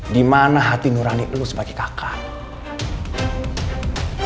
di mana hati nurani lu sebagai kakak